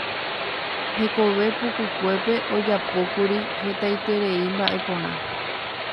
Hekove pukukuépe ojapókuri hetaiterei mba'e porã.